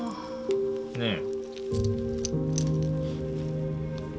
ねえ？